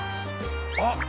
あっ